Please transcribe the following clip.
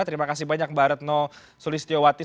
terima kasih banyak mbak retno sulistyo wattis